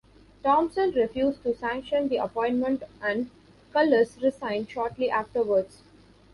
Thompson refused to sanction the appointment and Cullis resigned shortly afterwards.